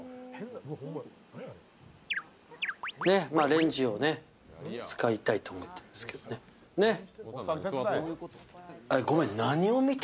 レンジを使いたいと思ってますけどね、ねっ。